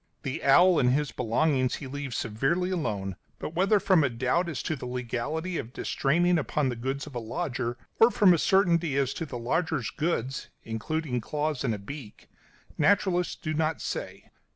The owl and his belongings he leaves severely alone; but whether from a doubt as to the legality of distraining upon the goods of a lodger, or from a certainty as to the lodger's goods including claws and a beak, naturalists do not say.